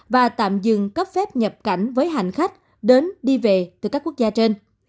và tạm dừng cấp phép nhập cảnh với hành khách đến đi về từ các quốc gia trên